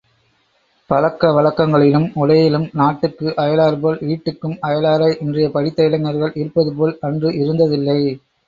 பழக்க வழக்கங்களிலும் உடையிலும் நாட்டுக்கு அயலார்போல் வீட்டுக்கும் அயலாராய் இன்றைய படித்த இளைஞர்கள் இருப்பதுபோல் அன்று இருந்ததில்லை.